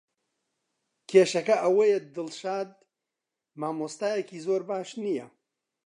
کێشەکە ئەوەیە دڵشاد مامۆستایەکی زۆر باش نییە.